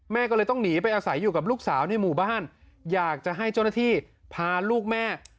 แม่ก็เลยต้องหนีไปอาศัยอยู่กับลูกสาวในหมู่บ้านอยากจะให้เจ้าหน้าที่พาลูกแม่